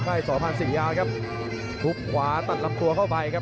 ให้สอพันธ์ศรียาครับทุบขวาตัดลำตัวเข้าไปครับ